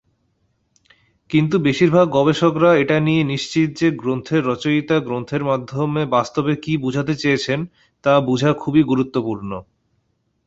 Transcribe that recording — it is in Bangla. কিন্তু বেশিরভাগ গবেষকরা এটা নিয়ে নিশ্চিত যে, গ্রন্থের রচয়িতা গ্রন্থের মাধ্যমে বাস্তবে কি বুঝাতে চেয়েছেন; তা বুঝা খুবই গুরুত্বপূর্ণ।